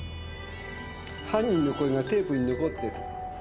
犯人の声がテープに残ってる。